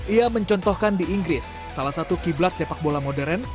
ia mencontohkan di inggris salah satu kiblat sepak bola modern